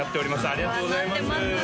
ありがとうございます